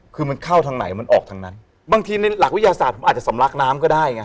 คือมันเข้าทางไหนมันออกทางนั้นบางทีในหลักวิทยาศาสตร์ผมอาจจะสำลักน้ำก็ได้ไง